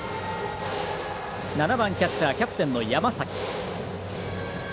７番キャッチャーキャプテンの山崎。